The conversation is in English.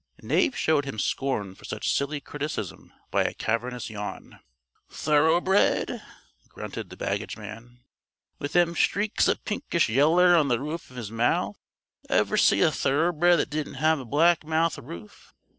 Knave showed his scorn for such silly criticism by a cavernous yawn. "Thoroughbred?" grunted the baggage man. "With them streaks of pinkish yeller on the roof of his mouth? Ever see a thoroughbred that didn't have a black mouth roof?"